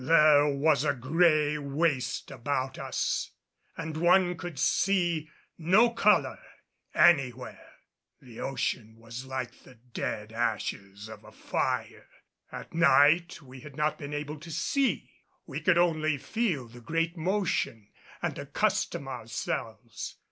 There was a gray waste about us and one could see no color anywhere; the ocean was like the dead ashes of a fire. At night we had not been able to see; we could only feel the great motion, and accustom ourselves.